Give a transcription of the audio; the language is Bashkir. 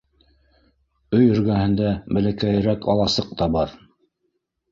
Өй эргәһендә бәләкәйерәк аласыҡ та бар.